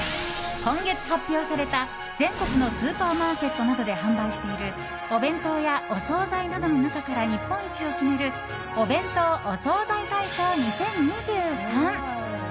今月発表された全国のスーパーマーケットなどで販売しているお弁当や、お総菜などの中から日本一を決めるお弁当・お惣菜大賞２０２３。